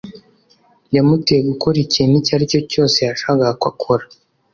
yamuteye gukora ikintu icyo ari cyo cyose yashakaga ko akora